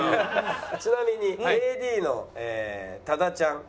ちなみにＡＤの多田ちゃん。